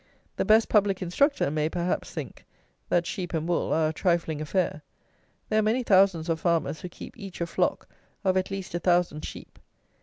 The "best public instructor" may, perhaps, think, that sheep and wool are a trifling affair. There are many thousands of farmers who keep each a flock of at least a thousand sheep.